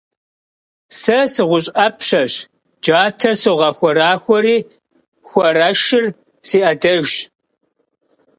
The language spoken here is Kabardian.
Сэ сыгъущӀ Ӏэпщэщ, джатэр согъэхуэрахуэри хуарэшри си Ӏэдэжщ.